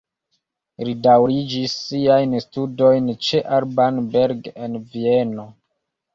Li daŭrigis siajn studojn ĉe Alban Berg en Vieno.